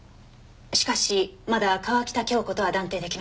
しかしまだ川喜多京子とは断定出来ません。